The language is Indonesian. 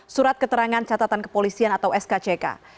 surat keterangan catatan kepolisian atau skck